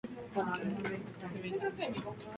Atenas los consideró artículos separados.